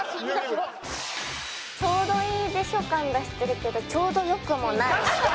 ちょうどいいでしょ感出してるけどちょうどよくもない。